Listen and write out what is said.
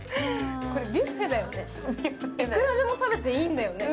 ビュッフェだよね、いくらでも食べていいんだよね。